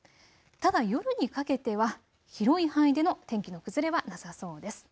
ただ夜にかけては広い範囲での天気の崩れはなさそうです。